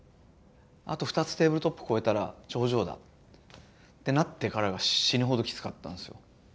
あと２つテーブルトップ越えたら頂上だ」ってなってからが死ぬほどきつかったんですよ。